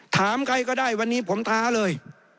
ถามใครก็ได้วันนี้ผมท้าเลย